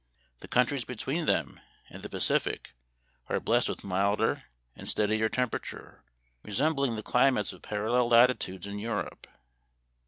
The countries between them and the Pacific are blessed with milder and steadier temperature, resembling the cli mates of parallel latitudes in Europe.